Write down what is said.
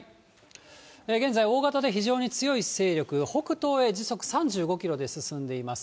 現在、大型で非常に強い勢力で、北東へ時速３５キロで進んでいます。